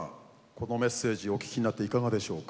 このメッセージお聞きになっていかがでしょうか？